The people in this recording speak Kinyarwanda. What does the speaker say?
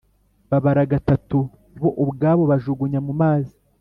Babara gatatu bo ubwabo bajugunya mu mazi